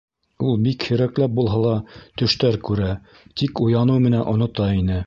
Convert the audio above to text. Ул бик һирәкләп булһа ла төштәр күрә, тик уяныу менән онота ине.